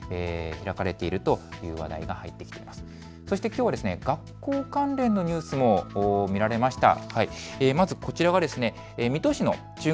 きょうは学校関連のニュースも見られました。